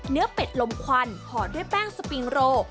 เนื้อเป็ดลมควันหอดด้วยแป้งสปริงโร